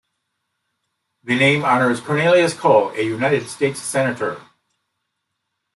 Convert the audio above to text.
The name honors Cornelius Cole, a United States Senator.